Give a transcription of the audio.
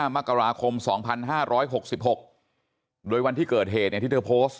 มกราคม๒๕๖๖โดยวันที่เกิดเหตุที่เธอโพสต์